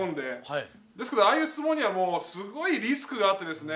ですけどああいう相撲にはすごいリスクがあってですね。